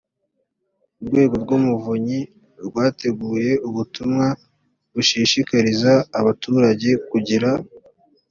urwego rw umuvunyi rwateguye ubutumwa bushishikariza abaturage kugira